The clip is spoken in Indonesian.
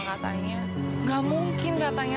katanya gak mungkin katanya